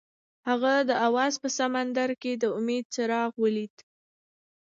هغه د اواز په سمندر کې د امید څراغ ولید.